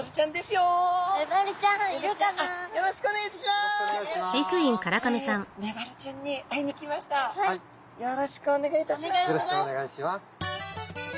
よろしくお願いします。